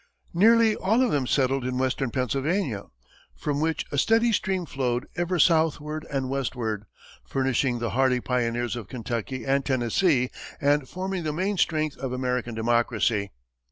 Nearly all of them settled in Western Pennsylvania, from which a steady stream flowed ever southward and westward, furnishing the hardy pioneers of Kentucky and Tennessee, and forming the main strength of American democracy.